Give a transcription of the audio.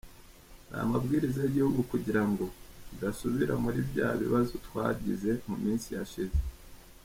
Ni amabwiriza y’igihugu kugira ngo tudasubira muri bya bibazo twagize mu minsi yashize.